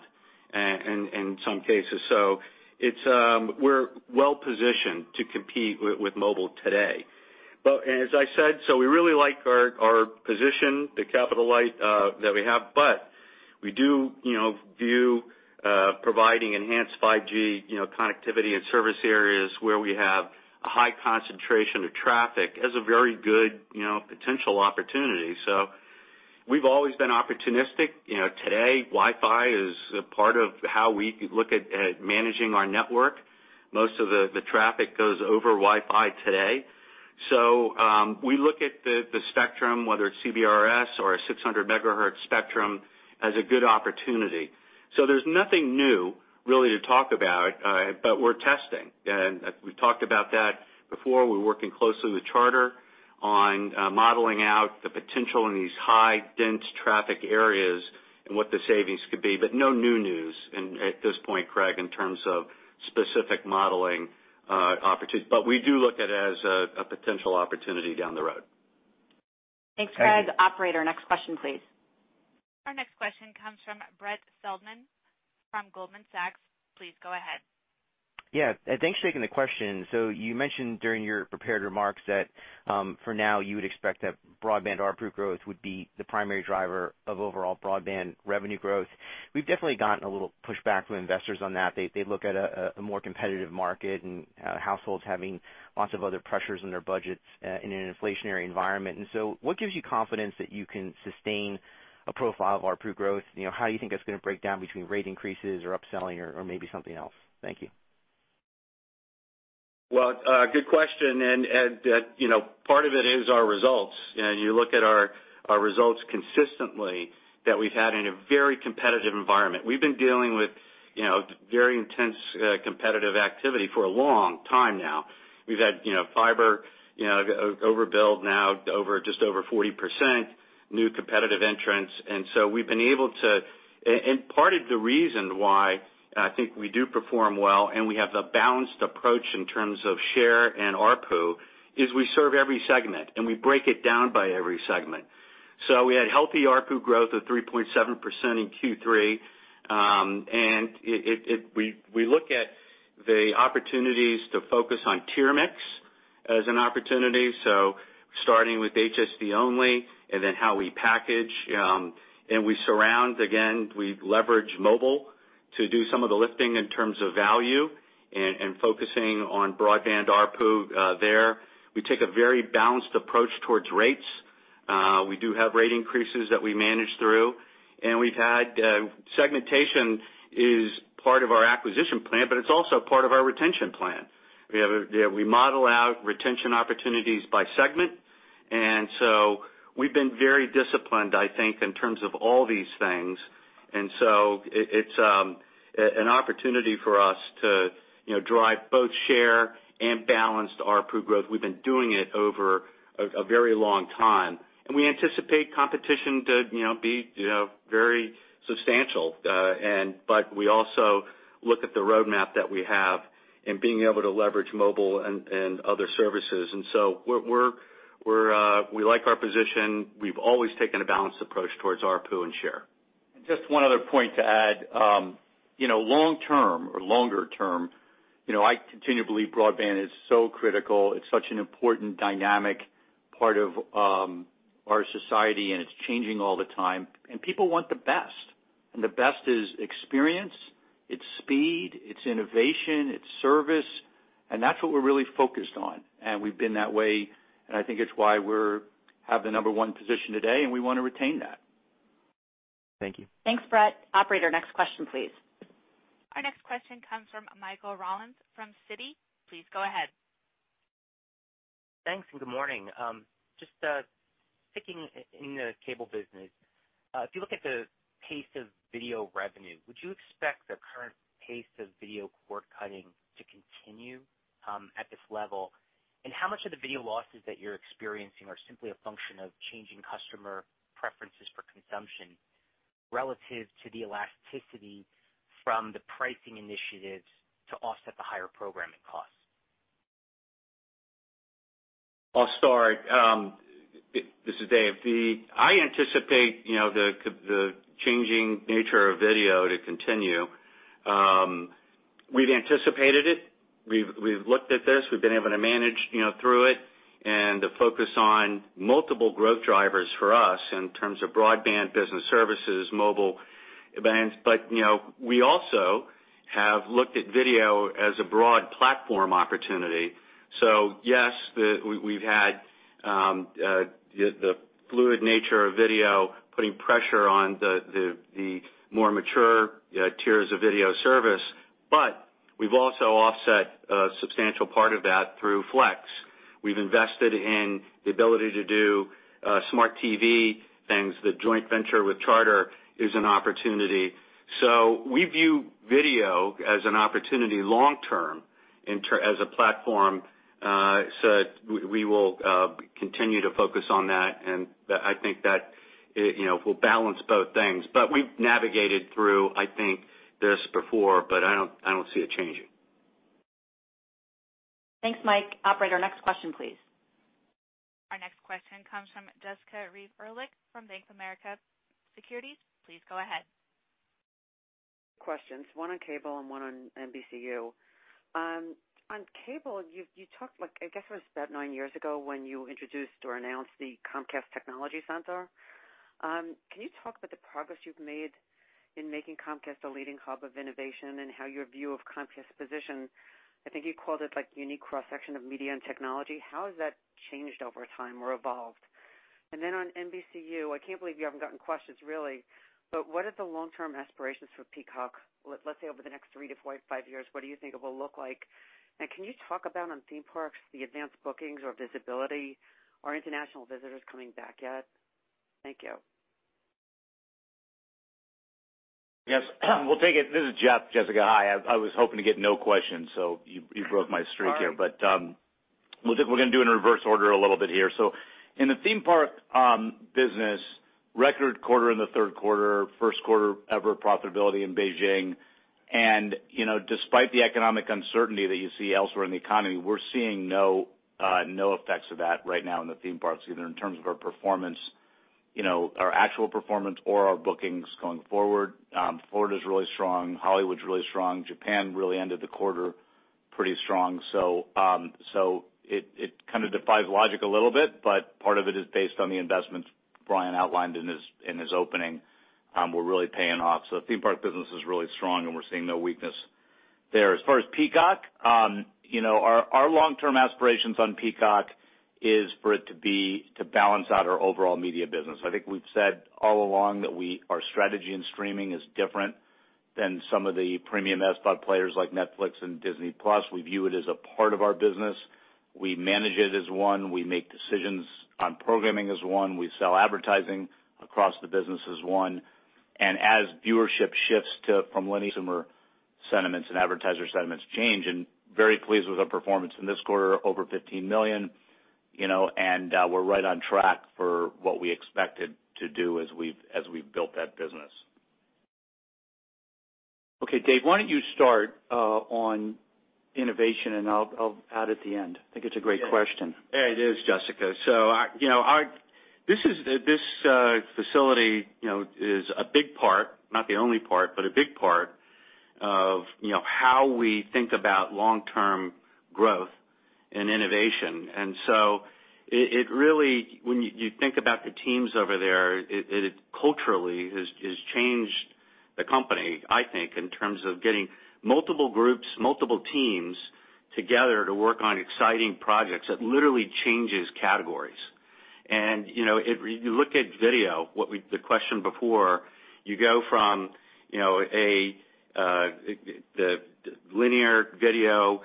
in some cases. We're well positioned to compete with mobile today. As I said, we really like our position, the capital light that we have. We do view providing enhanced 5G, you know, connectivity and service areas where we have a high concentration of traffic as a very good, you know, potential opportunity. We've always been opportunistic. Today, Wi-Fi is a part of how we look at managing our network. Most of the traffic goes over Wi-Fi today. We look at the spectrum, whether it's CBRS or a 600 MHz spectrum, as a good opportunity. There's nothing new really to talk about, but we're testing, and we've talked about that before. We're working closely with Charter on modeling out the potential in these high, dense traffic areas and what the savings could be. No new news at this point, Craig, in terms of specific modeling opportunities. We do look at it as a potential opportunity down the road. Thanks, Brad. Operator, next question, please. Our next question comes from Brett Feldman from Goldman Sachs. Please go ahead. Yeah. Thanks for taking the question. So you mentioned during your prepared remarks that, for now, you would expect that broadband ARPU growth would be the primary driver of overall broadband revenue growth. We've definitely gotten a little pushback from investors on that. They look at a more competitive market and households having lots of other pressures in their budgets in an inflationary environment. What gives you confidence that you can sustain a profile of ARPU growth? You know, how do you think that's gonna break down between rate increases or upselling or maybe something else? Thank you. Well, good question. You know, part of it is our results. You know, you look at our results consistently that we've had in a very competitive environment. We've been dealing with, you know, very intense competitive activity for a long time now. We've had, you know, fiber overbuild now over just over 40%, new competitive entrants. We've been able to, and part of the reason why I think we do perform well, and we have the balanced approach in terms of share and ARPU, is we serve every segment, and we break it down by every segment. We had healthy ARPU growth of 3.7% in Q3. We look at the opportunities to focus on tier mix as an opportunity, so starting with HSD only and then how we package, and we surround. Again, we leverage mobile to do some of the lifting in terms of value and focusing on broadband ARPU there. We take a very balanced approach towards rates. We do have rate increases that we manage through, and we've had. Segmentation is part of our acquisition plan, but it's also part of our retention plan. We model out retention opportunities by segment. We've been very disciplined, I think, in terms of all these things. It's an opportunity for us to, you know, drive both share and balanced ARPU growth. We've been doing it over a very long time, and we anticipate competition to you know be you know very substantial. But we also look at the roadmap that we have in being able to leverage mobile and other services. We like our position. We've always taken a balanced approach towards ARPU and share. Just one other point to add. Long term or longer term, I continue to believe broadband is so critical. It's such an important dynamic part of our society, and it's changing all the time. People want the best, and the best is experience, it's speed, it's innovation, it's service, and that's what we're really focused on. We've been that way, and I think it's why we have the number one position today, and we wanna retain that. Thank you. Thanks, Brett. Operator, next question, please. Our next question comes from Michael Rollins from Citi. Please go ahead. Thanks. Good morning. Just sticking in the cable business. If you look at the pace of video revenue, would you expect the current pace of video cord cutting to continue at this level? How much of the video losses that you're experiencing are simply a function of changing customer preferences for consumption relative to the elasticity from the pricing initiatives to offset the higher programming costs? I'll start. This is Dave. I anticipate the changing nature of video to continue. We've anticipated it. We've looked at this. We've been able to manage, you know, through it and to focus on multiple growth drivers for us in terms of broadband, business services, mobile. We also have looked at video as a broad platform opportunity. Yes, we've had the fluid nature of video putting pressure on the more mature tiers of video service, but we've also offset a substantial part of that through Flex. We've invested in the ability to do smart TV things. The joint venture with Charter is an opportunity. We view video as an opportunity long term as a platform. We will continue to focus on that, and I think that it, you know, will balance both things. We've navigated through, I think, this before, but I don't see it changing. Thanks, Mike. Operator, next question, please. Our next question comes from Jessica Reif Ehrlich from Bank of America Securities. Please go ahead. Questions, one on cable and one on NBCU. On cable, you talked like, I guess it was about nine years ago when you introduced or announced the Comcast Technology Center. Can you talk about the progress you've made in making Comcast a leading hub of innovation and how your view of Comcast position, I think you called it like unique cross-section of media and technology. How has that changed over time or evolved? On NBCU, I can't believe you haven't gotten questions really, but what are the long-term aspirations for Peacock, let's say, over the next three to four to five years, what do you think it will look like? Can you talk about on theme parks, the advanced bookings or visibility? Are international visitors coming back yet? Thank you. Yes. We'll take it. This is Jeff. Jessica, hi. I was hoping to get no questions, so you broke my streak here. Sorry. We're gonna do in reverse order a little bit here. In the theme park business, record quarter in the third quarter, first quarter ever profitability in Beijing. You know, despite the economic uncertainty that you see elsewhere in the economy, we're seeing no effects of that right now in the theme parks, either in terms of our performance, you know, our actual performance or our bookings going forward. Florida's really strong, Hollywood's really strong. Japan really ended the quarter pretty strong. It kind of defies logic a little bit, but part of it is based on the investments Brian outlined in his opening were really paying off. The theme park business is really strong, and we're seeing no weakness there. As far as Peacock, you know, our long-term aspirations on Peacock is for it to be to balance out our overall media business. I think we've said all along that our strategy in streaming is different than some of the premium SVOD players like Netflix and Disney+. We view it as a part of our business. We manage it as one. We make decisions on programming as one. We sell advertising across the business as one. As viewership shifts from consumer and advertiser sentiments change. Very pleased with our performance in this quarter, over 15 million, you know, and we're right on track for what we expected to do as we've built that business. Okay, Dave, why don't you start on innovation and I'll add at the end? I think it's a great question. Yeah, it is, Jessica. This is this facility, you know, is a big part, not the only part, but a big part of, you know, how we think about long-term growth and innovation. It really, when you think about the teams over there, it culturally has changed the company, I think, in terms of getting multiple groups, multiple teams together to work on exciting projects that literally changes categories. You know, if you look at video, the question before, you go from, you know, the linear video, you know,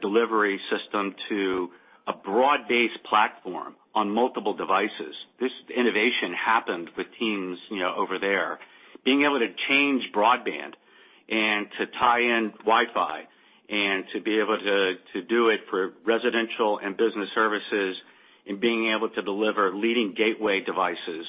delivery system to a broad-based platform on multiple devices. This innovation happened with teams, you know, over there. Being able to change broadband and to tie in Wi-Fi and to be able to do it for residential and business services and being able to deliver leading gateway devices,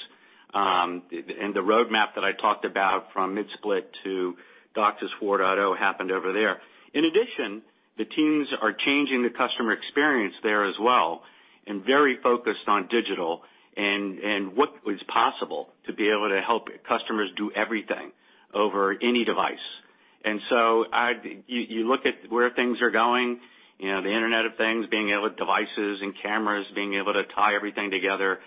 and the roadmap that I talked about from mid-split to DOCSIS 4.0 happened over there. In addition, the teams are changing the customer experience there as well and very focused on digital and what is possible to be able to help customers do everything over any device. You look at where things are going, you know, the Internet of Things, devices and cameras being able to tie everything together.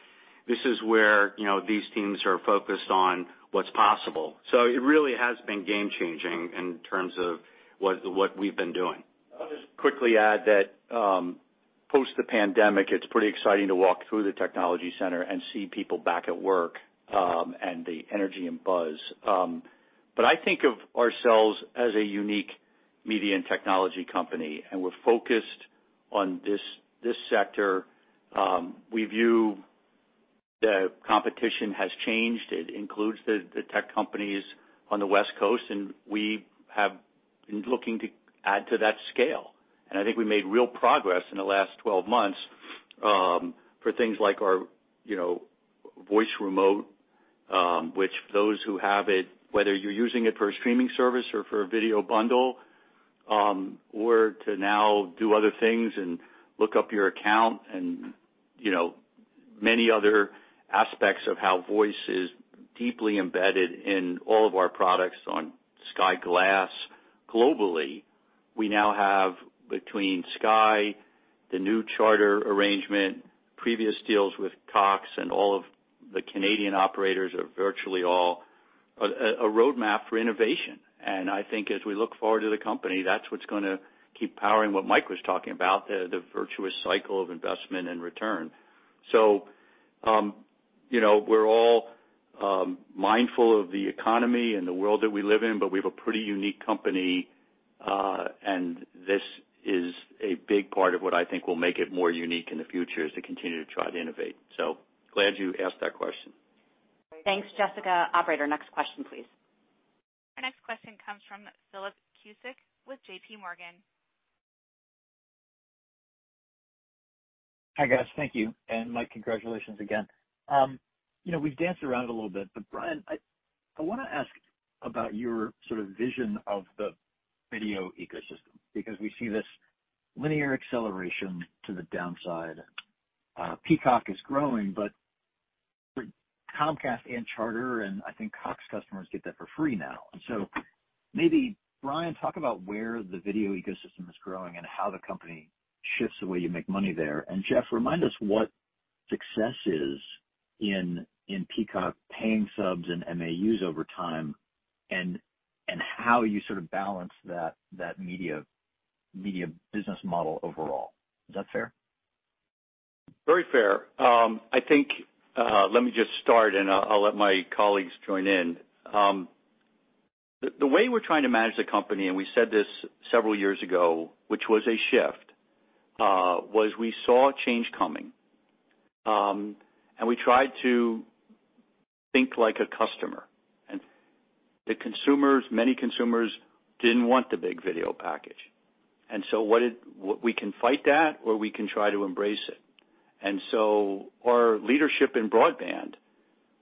This is where, you know, these teams are focused on what's possible. It really has been game changing in terms of what we've been doing. I'll just quickly add that, post the pandemic, it's pretty exciting to walk through the technology center and see people back at work, and the energy and buzz. I think of ourselves as a unique media and technology company, and we're focused on this sector. We view the competition has changed. It includes the tech companies on the West Coast, and we have been looking to add to that scale. I think we made real progress in the last 12 months, for things like our, you know, voice remote, which those who have it, whether you're using it for a streaming service or for a video bundle, or to now do other things and look up your account and, you know, many other aspects of how voice is deeply embedded in all of our products on Sky Glass globally. We now have between Sky, the new Charter arrangement, previous deals with Cox and all of the Canadian operators virtually all a roadmap for innovation. I think as we look forward to the company, that's what's gonna keep powering what Mike was talking about, the virtuous cycle of investment and return. You know, we're all mindful of the economy and the world that we live in, but we have a pretty unique company, and this is a big part of what I think will make it more unique in the future, is to continue to try to innovate. Glad you asked that question. Thanks, Jessica. Operator, next question, please. Our next question comes from Philip Cusick with JPMorgan. Hi, guys. Thank you. Mike, congratulations again. You know, we've danced around it a little bit, but Brian, I wanna ask about your sort of vision of the video ecosystem because we see this linear acceleration to the downside. Peacock is growing, but for Comcast and Charter, and I think Cox customers get that for free now. Maybe Brian, talk about where the video ecosystem is growing and how the company shifts the way you make money there. Jeff, remind us what success is in Peacock paying subs and MAUs over time and how you sort of balance that media business model overall. Is that fair? Very fair. I think, let me just start and I'll let my colleagues join in. The way we're trying to manage the company, and we said this several years ago, which was a shift, was we saw change coming, and we tried to think like a customer, and the consumers, many consumers didn't want the big video package. We can fight that, or we can try to embrace it. Our leadership in broadband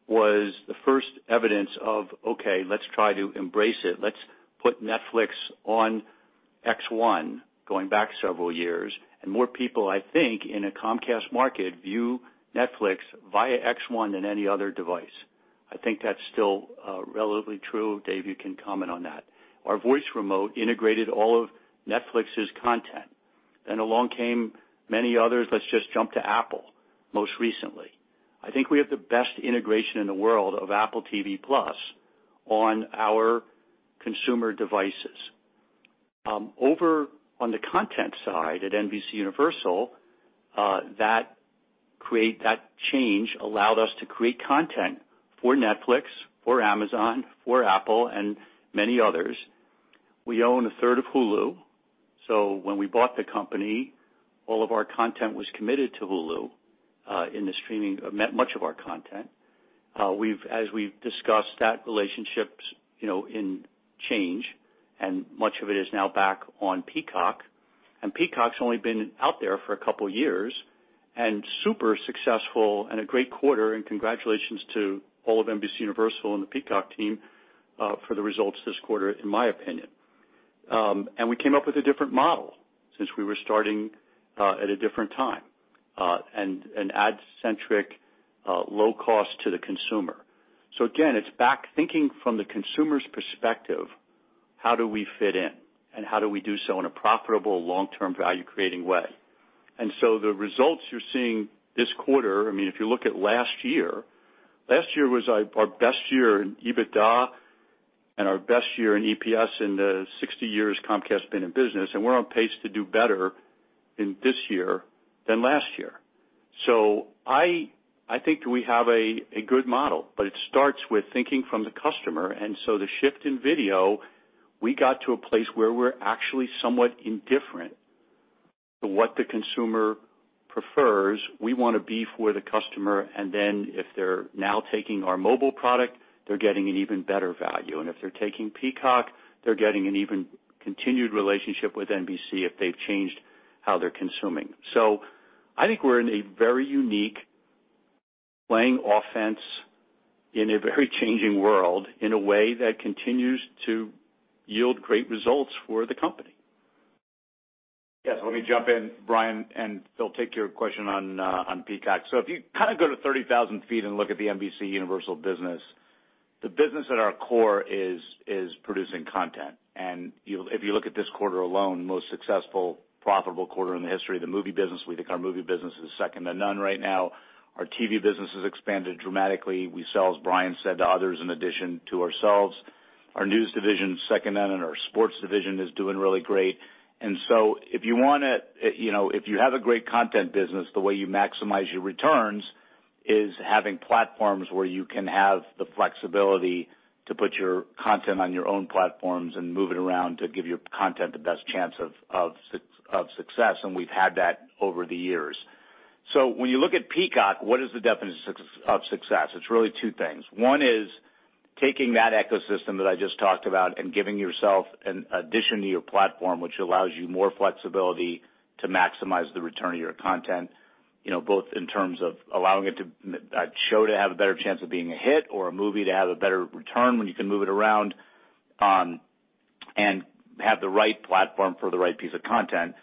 was the first evidence of, okay, let's try to embrace it. Let's put Netflix on X1 going back several years, and more people, I think, in a Comcast market, view Netflix via X1 than any other device. I think that's still relatively true. Dave, you can comment on that. Our voice remote integrated all of Netflix's content. Along came many others. Let's just jump to Apple most recently. I think we have the best integration in the world of Apple TV+ on our consumer devices. Over on the content side at NBCUniversal, that change allowed us to create content for Netflix, for Amazon, for Apple and many others. We own 1/3 of Hulu. When we bought the company, all of our content was committed to Hulu, in the streaming of much of our content. As we've discussed, that relationship's changed and much of it is now back on Peacock. Peacock's only been out there for a couple years and super successful and a great quarter. Congratulations to all of NBCUniversal and the Peacock team for the results this quarter, in my opinion. We came up with a different model since we were starting at a different time and ad-centric low cost to the consumer. Again, it's back to thinking from the consumer's perspective, how do we fit in, and how do we do so in a profitable long-term value creating way? The results you're seeing this quarter, I mean, if you look at last year, last year was our best year in EBITDA and our best year in EPS in the 60 years Comcast been in business, and we're on pace to do better in this year than last year. I think we have a good model, but it starts with thinking from the customer. The shift in video, we got to a place where we're actually somewhat indifferent to what the consumer prefers. We want to be for the customer. If they're now taking our mobile product, they're getting an even better value. If they're taking Peacock, they're getting an even continued relationship with NBC if they've changed how they're consuming. I think we're in a very unique playing offense in a very changing world in a way that continues to yield great results for the company. Yes. Let me jump in, Brian, and Phil, take your question on on Peacock. If you kinda go to 30,000 ft and look at the NBCUniversal business, the business at our core is producing content. You'll, if you look at this quarter alone, most successful profitable quarter in the history of the movie business, we think our movie business is second to none right now. Our TV business has expanded dramatically. We sell, as Brian said to others, in addition to ourselves. Our news division's second to none, and our sports division is doing really great. If you have a great content business, the way you maximize your returns is having platforms where you can have the flexibility to put your content on your own platforms and move it around to give your content the best chance of success, and we've had that over the years. When you look at Peacock, what is the definition of success? It's really two things. One is taking that ecosystem that I just talked about and giving yourself an addition to your platform, which allows you more flexibility to maximize the return of your content, you know, both in terms of allowing it to a show to have a better chance of being a hit or a movie to have a better return when you can move it around and have the right platform for the right piece of content.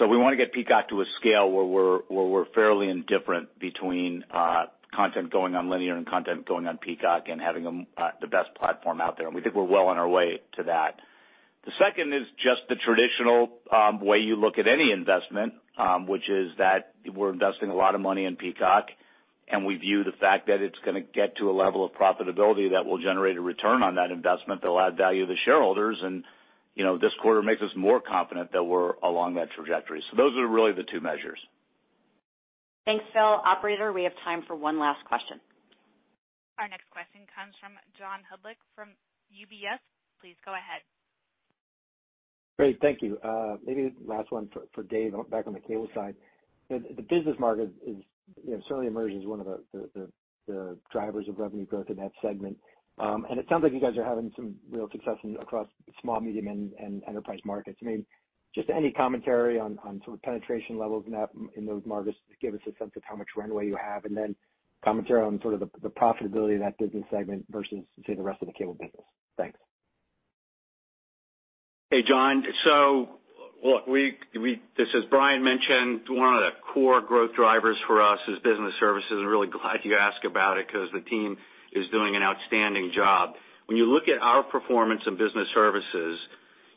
We wanna get Peacock to a scale where we're fairly indifferent between content going on linear and content going on Peacock and having the best platform out there. We think we're well on our way to that. The second is just the traditional way you look at any investment, which is that we're investing a lot of money in Peacock, and we view the fact that it's gonna get to a level of profitability that will generate a return on that investment that will add value to shareholders. You know, this quarter makes us more confident that we're along that trajectory. Those are really the two measures. Thanks, Phil. Operator, we have time for one last question. Our next question comes from John Hodulik from UBS. Please go ahead. Great. Thank you. Maybe last one for Dave back on the cable side. The business market is, you know, certainly emerged as one of the drivers of revenue growth in that segment. It sounds like you guys are having some real success across small, medium, and enterprise markets. I mean, just any commentary on sort of penetration levels in those markets to give us a sense of how much runway you have, and then commentary on sort of the profitability of that business segment versus, say, the rest of the cable business. Thanks. Hey, John. Look, as Brian mentioned, one of the core growth drivers for us is business services. I'm really glad you asked about it because the team is doing an outstanding job. When you look at our performance in business services,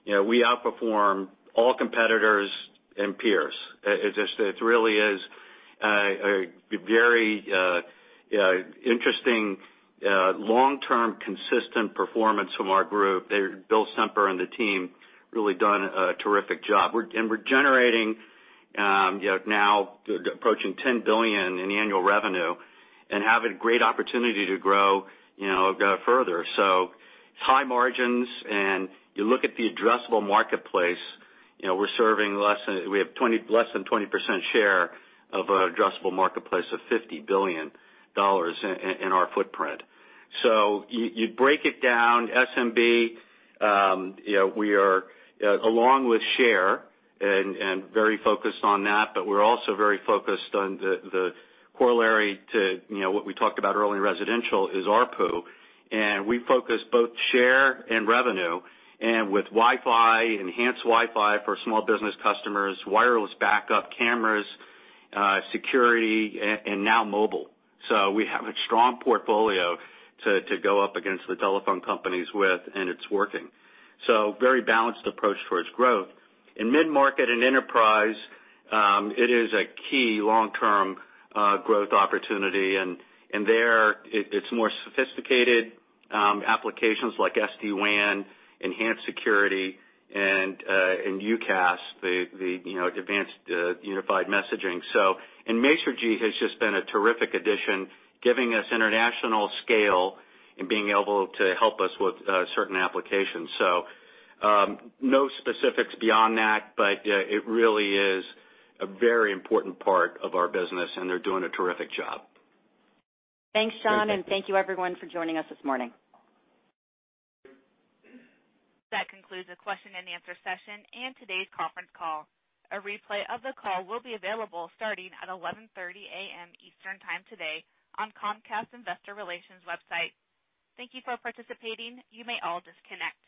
you know, we outperform all competitors and peers. It just, it really is a very interesting long-term consistent performance from our group. Bill Stemper and the team really done a terrific job. We're generating, you know, now approaching $10 billion in annual revenue and have a great opportunity to grow, you know, further. High margins, and you look at the addressable marketplace, you know, we're serving less than 20% share of an addressable marketplace of $50 billion in our footprint. You break it down SMB, you know, we are along with share and very focused on that, but we're also very focused on the corollary to, you know, what we talked about early in residential is ARPU. We focus both share and revenue and with Wi-Fi, enhanced Wi-Fi for small business customers, wireless backup cameras, security and now mobile. We have a strong portfolio to go up against the telephone companies with, and it's working. Very balanced approach towards growth. In mid-market and enterprise, it is a key long-term growth opportunity, and there it's more sophisticated applications like SD-WAN, enhanced security and UCaaS, you know, advanced unified messaging. Masergy has just been a terrific addition, giving us international scale and being able to help us with certain applications. No specifics beyond that, but it really is a very important part of our business, and they're doing a terrific job. Thanks, John, and thank you everyone for joining us this morning. That concludes the question and answer session and today's conference call. A replay of the call will be available starting at 11:30 A.M. Eastern Time today on Comcast's investor relations website. Thank you for participating. You may all disconnect.